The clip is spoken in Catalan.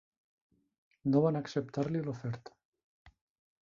No van acceptar-li l'oferta.